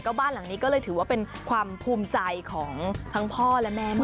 บ้านหลังนี้ก็เลยถือว่าเป็นความภูมิใจของทั้งพ่อและแม่